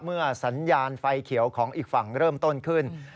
สัญญาณไฟเขียวของอีกฝั่งเริ่มต้นขึ้น